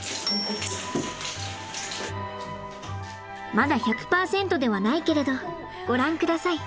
まだ１００％ではないけれどご覧ください。